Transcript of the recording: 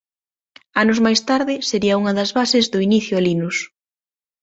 Anos máis tarde sería unha das bases do inicio a Linux.